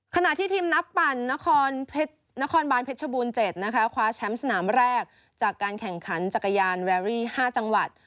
ขณะที่ทีมนักปั่นนครบานเพชรบูรณ์๗นะคะคว้าแชมป์สนามแรกจากการแข่งขันจักรยานแวรี่๕จังหวัด